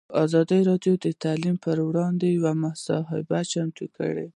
ازادي راډیو د تعلیم پر وړاندې یوه مباحثه چمتو کړې.